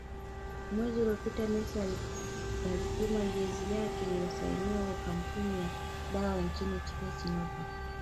Mwezi uliopita Messi alituma jezi yake alioisaini kwa kampuni ya dawa nchini China Sinovac